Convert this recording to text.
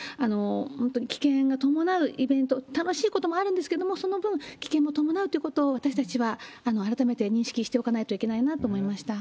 本当に危険が伴うイベント、楽しいこともあるんですけれども、その分、危険も伴うということを、私たちは改めて認識しておかないといけないなと思いました。